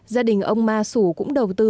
gia đình ông ma sủ cũng đầu tư